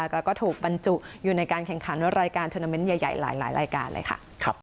แล้วก็ถูกบรรจุอยู่ในการแข่งขันรายการทวนาเมนต์ใหญ่หลายรายการเลยค่ะ